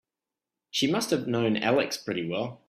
She must have known Alex pretty well.